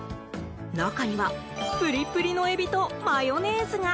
中にはプリプリのエビとマヨネーズが。